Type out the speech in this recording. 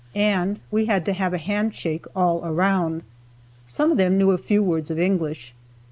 and we had to have a handshake all around. Some of them knew a few words of English.